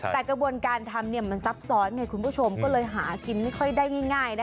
แต่กระบวนการทำมันซับซ้อนไงคุณผู้ชมก็เลยหากินไม่ค่อยได้ง่าย